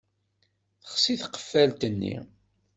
Texsi tqeffalt-nni.